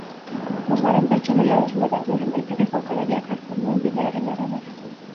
Bosgarren pertsonaia desblokeatu egin daiteke jokalariak hartzen duen bidearen arabera.